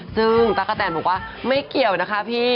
ซึ่งตั๊กกะแตนบอกว่าไม่เกี่ยวนะคะพี่